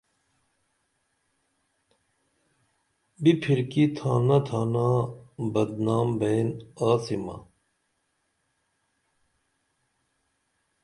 بِپھرکی تھانہ تھانا بدنام بئین آڅیمہ